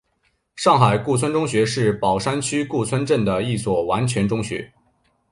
上海市顾村中学是宝山区顾村镇的一所完全中学。